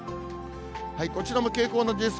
こちらも傾向同じです。